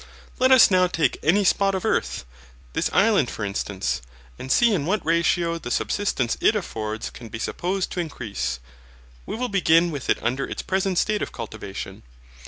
Let us now take any spot of earth, this Island for instance, and see in what ratio the subsistence it affords can be supposed to increase. We will begin with it under its present state of cultivation.